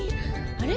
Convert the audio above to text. あれ？